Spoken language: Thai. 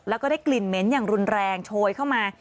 แล้วก็ได้กลิ่นเหม็นอย่างรุนแรงโชยเข้ามา